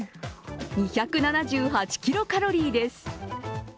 ２７８キロカロリーです。